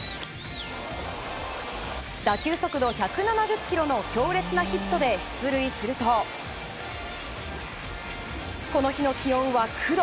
打球速度１７０キロの強烈なヒットで出塁するとこの日の気温は９度。